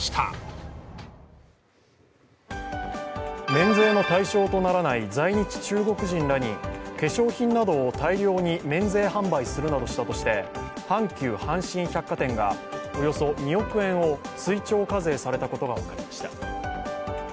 免税の対象とならない在日中国人らに化粧品などを大量に免税販売するなどしたとして、阪急阪神百貨店がおよそ２億円を追徴課税されたことが分かりました。